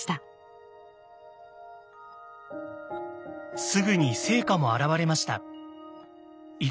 すぐに成果も現れました。